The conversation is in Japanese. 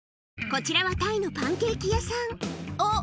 こちらはタイのパンケーキ屋さんあっ